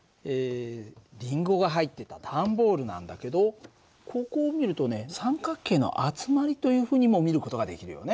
りんごが入ってた段ボールなんだけどここを見るとね三角形の集まりというふうにも見る事ができるよね。